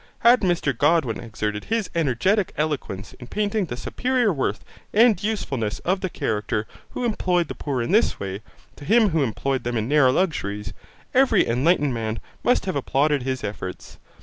Had Mr Godwin exerted his energetic eloquence in painting the superior worth and usefulness of the character who employed the poor in this way, to him who employed them in narrow luxuries, every enlightened man must have applauded his efforts.